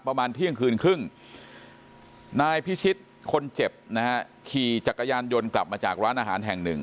ประมาณเที่ยงคืนครึ่งนายพิชิตคนเจ็บนะฮะขี่จักรยานยนต์กลับมาจากร้านอาหารแห่งหนึ่ง